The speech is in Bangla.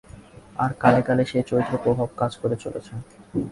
আর কালে কালে সেই চরিত্র-প্রভাব কাজ করে চলেছে।